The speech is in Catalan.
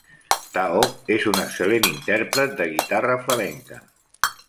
Tao és un excel·lent intèrpret de guitarra flamenca.